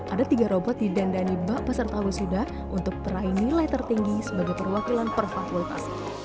ada tiga robot didandani bak peserta wisuda untuk peraih nilai tertinggi sebagai perwakilan perfakultas